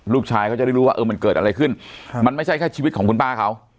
เขาจะได้รู้ว่าเออมันเกิดอะไรขึ้นมันไม่ใช่แค่ชีวิตของคุณป้าเขา